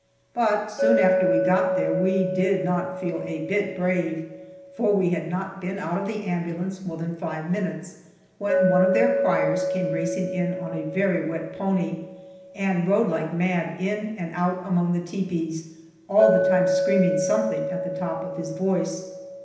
But soon after we got there we did not feel a bit brave, for we had not been out of the ambulance more than five minutes, when one of their criers came racing in on a very wet pony, and rode like mad in and out among the tepees, all the time screaming something at the top of his voice.